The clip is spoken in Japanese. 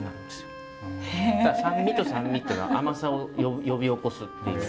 酸味と酸味っていうのは甘さを呼び起こすっていう。